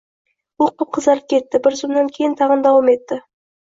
U qip-qizarib ketdi, bir zumdan keyin tag‘in, davom etdi: